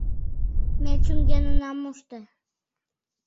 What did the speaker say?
— Ме чӱҥген она мошто.